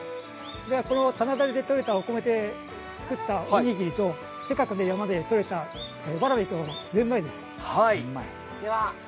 棚田でとれたお米で作ったおにぎりと近くの山で取れたワラビとゼンマイです。